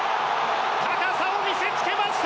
高さを見せつけました。